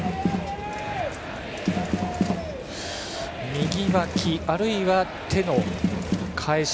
右わき、あるいは手の返し。